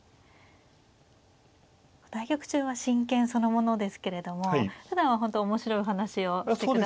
対局中は真剣そのものですけれどもふだんは本当面白いお話をして下さったり。